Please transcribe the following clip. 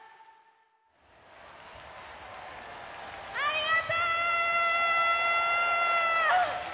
ありがとう！